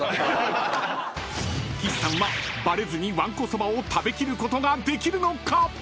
［岸さんはバレずにわんこそばを食べ切ることができるのか⁉］